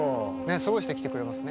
すごい人来てくれますね。